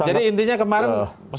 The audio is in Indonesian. jadi intinya kemarin